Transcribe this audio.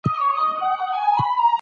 بکا بي بي سي ته خپله سابقه بيان کړه.